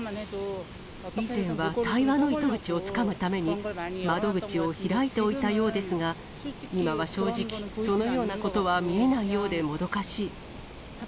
以前は対話の糸口をつかむために窓口を開いておいたようですが、今は正直、そのようなことは見えないようで、もどかしい。